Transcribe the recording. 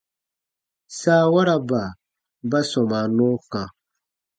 Saawaraba ba sɔmaa nɔɔ kã.